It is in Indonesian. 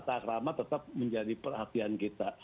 tata akramat tetap menjadi perhatian kita